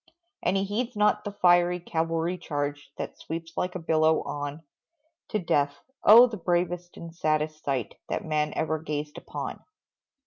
And he heeds not the fiery cavalry charge, That sweeps like a billow on To death, oh, the bravest and saddest sight, That man ever gazed upon!